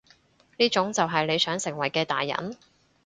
呢種就係你想成為嘅大人？